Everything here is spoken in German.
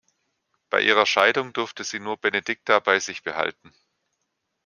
Bei ihrer Scheidung durfte sie nur Benedicta bei sich behalten.